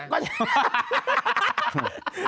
ไม่ใช่